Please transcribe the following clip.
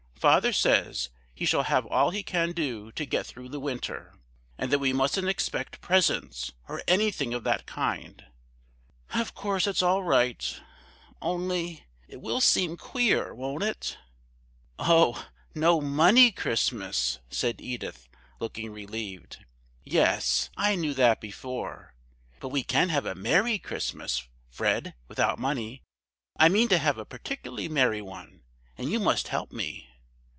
"Father says he shall have all he can do to get through the winter, and that we mustn't expect presents, or anything of that kind. Of course it's all right, only,—it will seem queer, won't it?" "Oh, no money Christmas!" said Edith, looking relieved. "Yes, I knew that before. But we can have a merry Christmas, Fred, without money. I mean to have a particularly merry one, and you must help me."